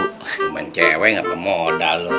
cuman cewe gak pemoda lo